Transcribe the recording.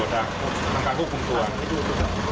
สวัสดีครับ